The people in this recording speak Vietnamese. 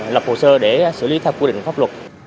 lập hồ sơ để xử lý theo quy định pháp luật